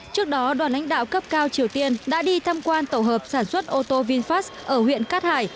trước đó đoàn ánh đạo cấp cao triều tiên đã đi thăm quan tổ hợp sản xuất ô tô vinfast ở huyện cát hải